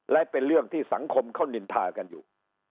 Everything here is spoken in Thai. และเป็นเรื่องที่สังคมเขานินทากันอยู่